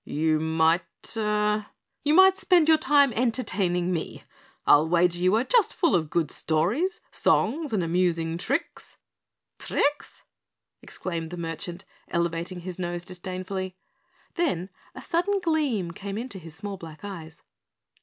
"You might, er you might spend your time entertaining me. I'll wager you are just full of good stories, songs, and amusing tricks?" "Tricks?" exclaimed the merchant, elevating his nose disdainfully. Then a sudden gleam came into his small black eyes.